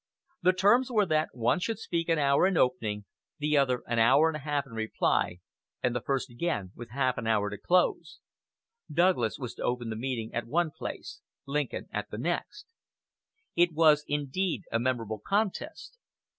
The terms were that one should speak an hour in opening, the other an hour and a half in reply, and the first again have half an hour to close. Douglas was to open the meeting at one place, Lincoln at the next. It was indeed a memorable contest.